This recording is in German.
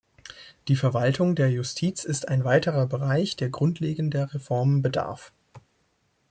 Die Verwaltung der Justiz ist ein weiterer Bereich, der grundlegender Reformen bedarf.